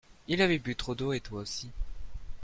il avait bu trop d'eau et toi aussi.